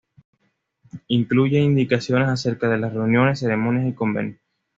Incluye indicaciones acerca de las reuniones, ceremonias y convenios.